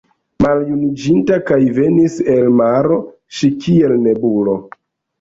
Maljuniĝinta, kaj venis el maro ŝi kiel nebulo